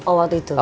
oh waktu itu